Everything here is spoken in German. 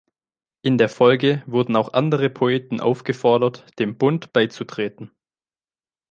In der Folge wurden auch andere Poeten aufgefordert, dem Bund beizutreten.